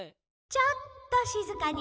ちょっしずかに。